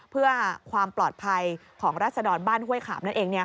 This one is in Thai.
เพื่อความปลอดภัยของรัศดรบ้านห้วยขาบนั่นเอง